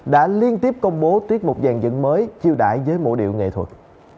đã liên tiếp công bố tuyết một dàn dựng mới chiêu đại với mẫu điệu nghệ thuật